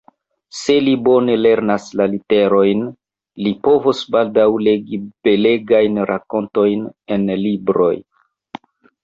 Se li bone lernas la literojn, li povos baldaŭ legi belegajn rakontojn en libroj.